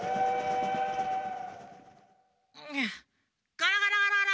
ガラガラガラガラ。